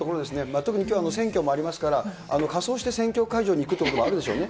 特にきょうは選挙もありますから、仮装して選挙会場に行くということもあるでしょうね。